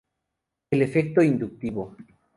El efecto inductivo.